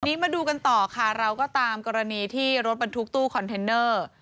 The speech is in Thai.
ทีนี้มาดูกันต่อค่ะเราก็ตามกรณีที่รถบรรทุกตู้คอนเทนเนอร์